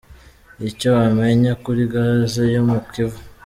Icyo wamenya kuri Gaz yo mu kivu.